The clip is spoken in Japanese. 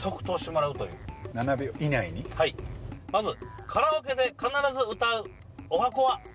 まずカラオケで必ず歌う十八番は？